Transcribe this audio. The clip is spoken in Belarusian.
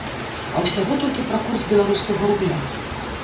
А ўсяго толькі пра курс беларускага рубля.